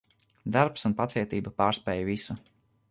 Darbs un pacietība pārspēj visu.